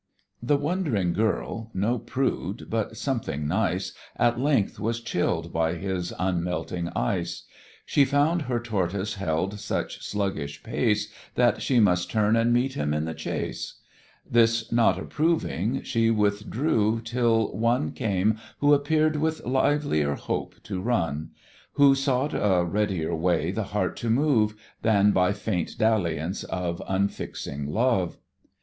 The wondering girl, no prude, but something nice, At length was chill'd by his unmelting ice; She found her tortoise held such sluggish pace, That she must turn and meet him in the chase: This not approving, she withdrew, till one Came who appear'd with livelier hope to run; Who sought a readier way the heart to move, Than by faint dalliance of unfixing love.